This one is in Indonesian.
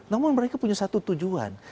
namun mereka punya satu tujuan